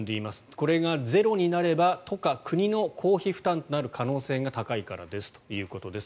これがゼロになれば都か国の公費負担となる可能性が高いからですということです。